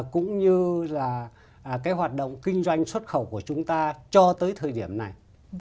cũng như là cái hoạt động kinh doanh xuất khẩu của chúng ta cho tới thời điểm này